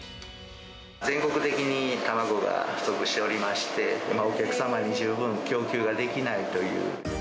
全国的に卵が不足しておりまして、お客様に十分供給ができないという。